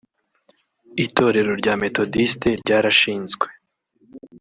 Itorero rya Methodiste ryarashinzwe